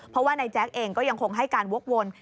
เพราะว่านายแจ๊กเองก็ยังคงให้การวกวน